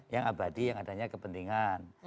yang abadi yang adanya kepentingan